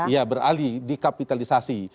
iya beralih dikapitalisasi